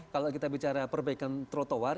kalau kita bicara perbaikan trotoar